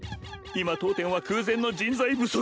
今当店は空前の人材不足！